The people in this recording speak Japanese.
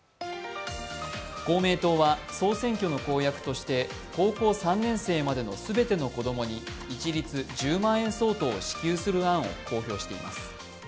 公明党は総選挙の公約として高校３年生までの全ての子供に一律１０万円相当を支給する案を講じています。